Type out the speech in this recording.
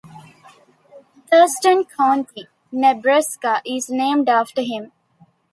Thurston County, Nebraska is named after him.